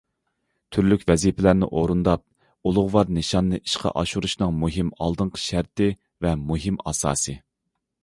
تۈرلۈك ۋەزىپىلەرنى ئورۇنداپ، ئۇلۇغۋار نىشاننى ئىشقا ئاشۇرۇشنىڭ مۇھىم ئالدىنقى شەرتى ۋە مۇھىم ئاساسى.